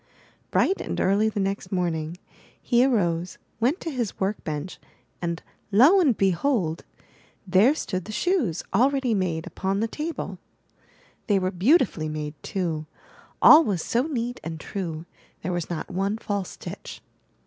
Bright and early the next morning he arose, went to his work bench and, lo and behold! there stood the shoes, already made, upon the table. They 346 I N THE NURSERY were beautifully made, too; all was so neat and true; there was not one false stitch.